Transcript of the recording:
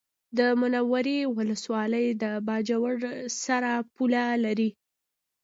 د منورې ولسوالي د باجوړ سره پوله لري